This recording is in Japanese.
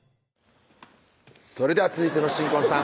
それでは続いての新婚さん